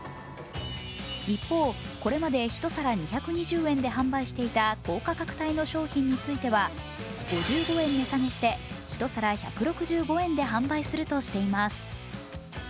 一方、これまで１皿２２０円で販売していた高価格帯の商品については５５円値下げして１皿１６５円で販売するとしています。